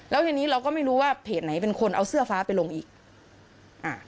แล้วทีนี้เราก็ไม่รู้ว่าเพจไหนเป็นคนเอาเสื้อฟ้าไปลงอีกอ่า